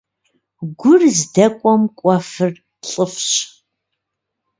Гур здэкӀуэм кӀуэфыр лӀыфӀщ.